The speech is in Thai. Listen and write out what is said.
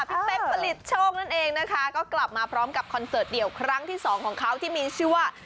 พี่เป๊กผลิตโชคนั่นเองนะคะก็กลับมาพร้อมกับคอนเสิร์ตเดี่ยวครั้งที่สองของเขาที่มีชื่อว่า